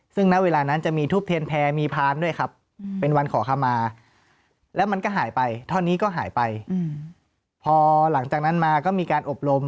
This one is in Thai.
ซึ่งณเวลานั้นจะมีทูปเทียนแพรมีพานด้วยครับเป็นวันขอขมาแล้วมันก็หายไปท่อนี้ก็หายไปพอหลังจากนั้นมาก็มีการอบรม